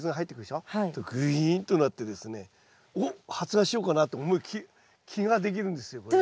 ぐいんとなってですねおっ発芽しようかなと思う気ができるんですよ